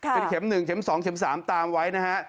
เป็นเข็ม๑เข็ม๒เข็ม๓ตามไว้นะฮะ